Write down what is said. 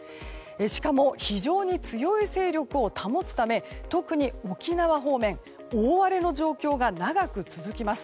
しかも非常に強い勢力を保つため特に沖縄方面、大荒れの状況が長く続きます。